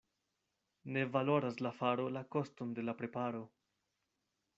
Ne valoras la faro la koston de la preparo.